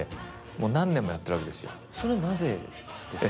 それはなぜですか？